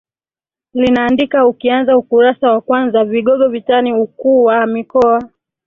linaandika ukianza ukurasa wa kwanza vigogo vitani ukuu wa mikoa